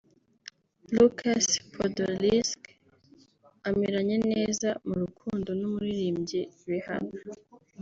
Lukas Podolski ameranye neza mu rukundo n’umuririmbyi Rihanna